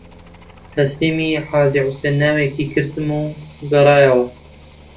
تەسلیمی حاجی حوسێن ناوێکی کردم و گەڕایەوە